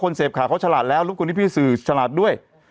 คนเสพข่าวเขาฉลาดแล้วรพกรณีพิศูชลาดด้วย